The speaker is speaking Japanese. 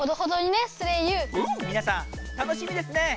みなさん楽しみですねえ。